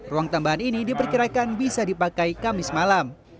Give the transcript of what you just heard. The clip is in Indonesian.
ruang tambahan ini diperkirakan bisa dipakai kamis malam